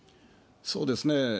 そうですね。